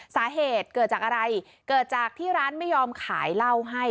สาเหตุเกิดจากอะไรเกิดจากที่ร้านไม่ยอมขายเหล้าให้